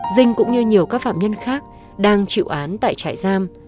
dinh cũng như nhiều các phạm nhân khác đang chịu án tại trại giam